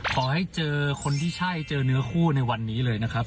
ขอให้เจอคนที่ใช่เจอเนื้อคู่ในวันนี้เลยนะครับ